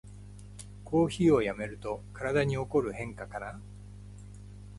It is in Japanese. コーヒーをやめると体に起こる変化かな